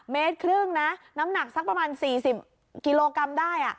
เมตรครึ่งนะน้ำหนักสักประมาณ๔๐กิโลกรัมได้